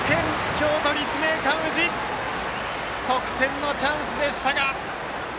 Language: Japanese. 京都・立命館宇治得点のチャンスでしたが。